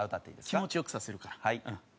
気持ち良くさせるから。